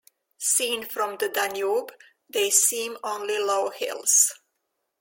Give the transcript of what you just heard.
Seen from the Danube, they seem only low hills.